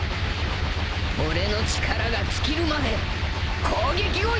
俺の力が尽きるまで攻撃をやめねえ！